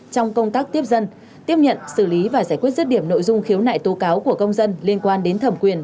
trong công tác tiếp dân tiếp nhận xử lý và giải quyết rứt điểm nội dung khiếu nại tố cáo của công dân liên quan đến thẩm quyền